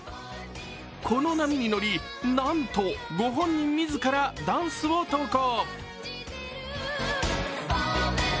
この波に乗りなんとご本人自らダンスを投稿。